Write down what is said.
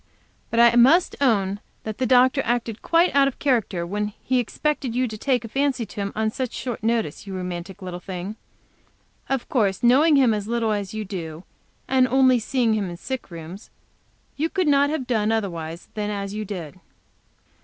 "But I must own that the doctor acted quite out of character when he expected you to take a fancy to him on such short notice, you romantic little thing. Of course knowing him as little as you do, and only seeing him in sick rooms, you could not have done otherwise than as you did."